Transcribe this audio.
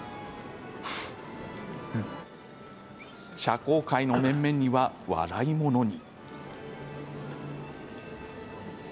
社交界の面々には笑い者に。